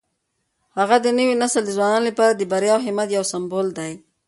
هغه د نوي نسل د ځوانانو لپاره د بریا او همت یو سمبول دی.